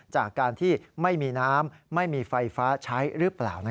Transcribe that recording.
จากการที่ไม่มีน้ำไม่มีไฟฟ้าใช้หรือเปล่า